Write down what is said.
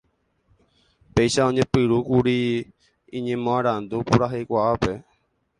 Péicha oñepyrũkuri iñemoarandu puraheikuaápe.